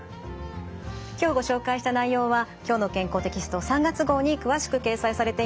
今日ご紹介した内容は「きょうの健康」テキスト３月号に詳しく掲載されています。